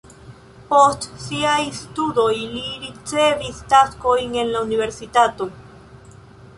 Post siaj studoj li ricevis taskojn en la universitato.